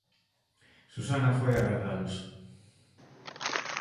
Susana foi agardalos.